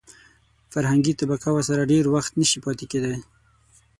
فرهنګي طبقه ورسره ډېر وخت نشي پاتې کېدای.